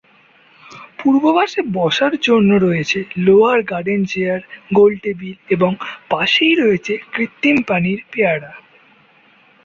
পূর্ব পাশে বসার জন্য রয়েছে লোহার গার্ডেন চেয়ার, গোল টেবিল এবং পাশেই রয়েছে কৃত্রিম পানির পেয়ারা।